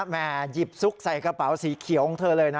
แม่หยิบซุกใส่กระเป๋าสีเขียวของเธอเลยนะ